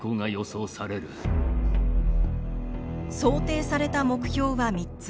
想定された目標は３つ。